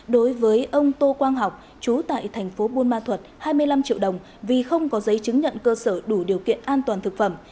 đối với ông tô quang học chú tại thành phố buôn ma thuật hai mươi năm triệu đồng vì không có giấy chứng nhận cơ sở đủ điều kiện an toàn thực phẩm